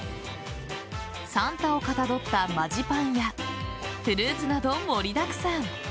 サンタをかたどったマジパンやフルーツなど盛りだくさん。